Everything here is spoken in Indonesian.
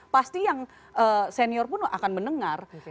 pasti yang senior pun akan mendengar